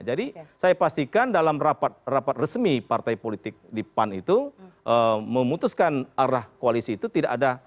jadi saya pastikan dalam rapat rapat resmi partai politik di pan itu memutuskan arah koalisi itu tidak ada